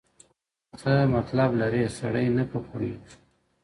څه مطلب لري سړی نه په پوهېږي.